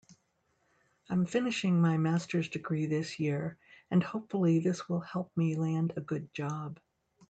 I'm finishing my masters degree this year and hopefully this will help me land a good job.